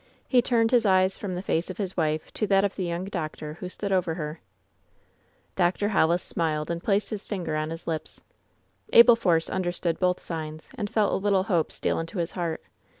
He turned his eyes from the face of his wife to that of the young doctor who stood over her. Dr. HoUis smiled and placed his finger on his lips. Abel Force understood both signs, and felt a little hope steal into his heart.